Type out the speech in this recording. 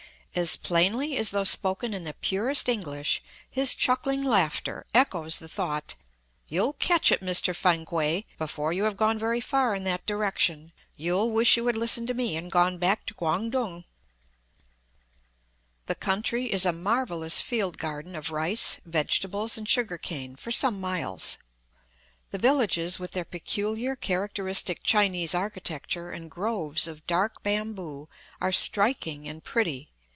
As plainly as though spoken in the purest English, his chuckling laughter echoes the thought: "You'll catch it, Mr. Fankwae, before you have gone very far in that direction; you'll wish you had listened to me and gone back to 'Quang tung.'" The country is a marvellous field garden of rice, vegetables, and sugar cane for some miles. The villages, with their peculiar, characteristic Chinese architecture and groves of dark bamboo, are striking and pretty.